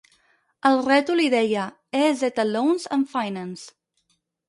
Al rètol hi deia "E Z Loans and Finance".